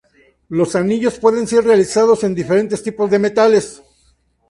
Los anillos pueden ser realizados en diferentes tipos de metales.